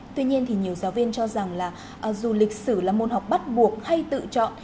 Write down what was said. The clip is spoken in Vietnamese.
tuy nhiên thì nhiều giáo viên cho rằng là dù lịch sử là môn học bắt buộc hay tự chọn